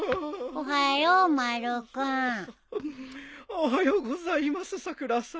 おはようございますさくらさん。